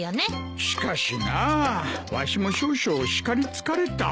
しかしなあわしも少々叱り疲れた。